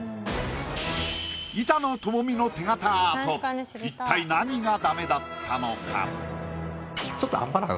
板野友美の手形アート一体何がダメだったのか？